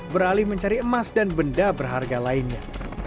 beralih mencari emas dan benda berharga lainnya